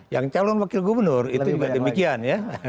yang calon wakil gubernur itu juga demikian ya